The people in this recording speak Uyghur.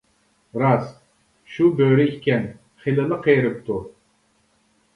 راست، شۇ بۆرە ئىكەن، خېلىلا قېرىپتۇ.